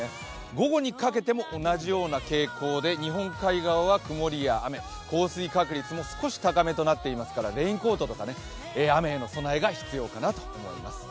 午後にかけても同じような傾向で、日本海側は曇りや雨、降水確率も少し高めとなっていますからレインコートとか雨への備えが必要かなと思います。